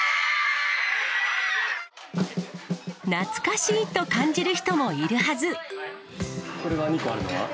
懐かしいと感じる人もいるはこれが２個あるのは？